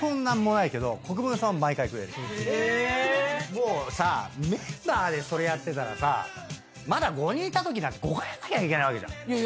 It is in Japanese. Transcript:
もうさメンバーでそれやってたらさまだ５人いたときなんて５回やんなきゃいけないわけじゃん。